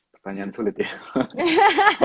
pertanyaan sulit ya